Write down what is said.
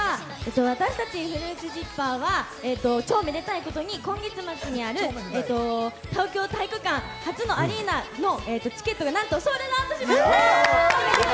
私達ＦＲＵＩＴＳＺＩＰＰＥＲは超めでたいことに今月末にある東京体育館初のアリーナのチケットがなんとソールドアウトしました！